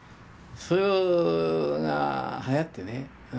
それがはやってね